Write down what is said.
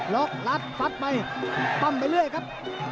กรัดฟัดไปปั้มไปเรื่อยครับ